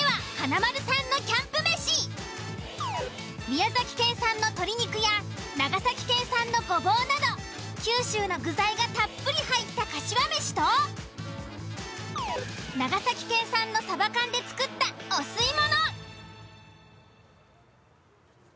宮崎県産の鶏肉や長崎県産のごぼうなど九州の具材がたっぷり入ったかしわめしと長崎県産のサバ缶で作ったお吸い物。